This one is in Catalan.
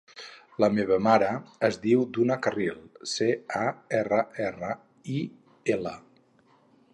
La meva mare es diu Duna Carril: ce, a, erra, erra, i, ela.